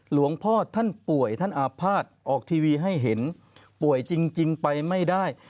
หลวงพ่อท่านป่วยท่านอาภาษณ์ออกทีวีให้เห็นป่วยจริงไปไม่ได้